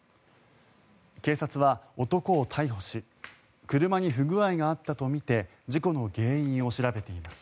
警察は男を逮捕し車に不具合があったとみて事故の原因を調べています。